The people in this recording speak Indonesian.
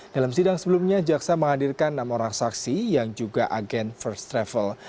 dalam sidang sebelumnya jaksa menghadirkan enam orang saksi yang juga agen first travel